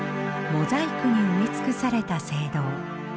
モザイクに埋め尽くされた聖堂。